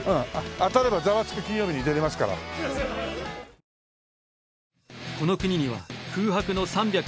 当たれば『ザワつく！金曜日』に出れますから。男性）